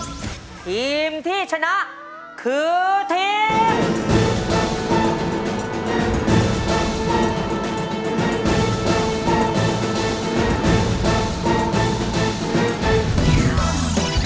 ทีมที่ชนะคือทีม